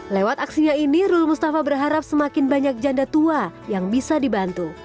lewat aksinya ini rul mustafa berharap semakin banyak janda tua yang bisa dibantu